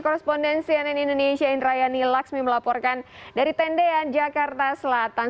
korespondensi ann indonesia indrayani laksmi melaporkan dari tendean jakarta selatan